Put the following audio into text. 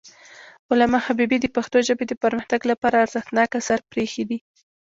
علامه حبيبي د پښتو ژبې د پرمختګ لپاره ارزښتناک آثار پریښي دي.